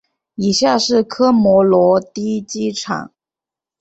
以下是科摩罗的机场。